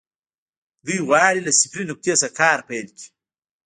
دوی غواړي له صفري نقطې څخه کار پيل کړي.